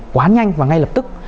quá nhanh và ngay lập tức